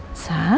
nah gitu dong